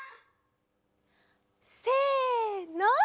せの！